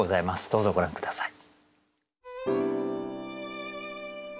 どうぞご覧下さい。